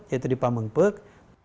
yaitu di pampung pek